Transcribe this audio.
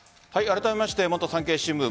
あらためまして元産経新聞